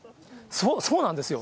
そうなんですよ。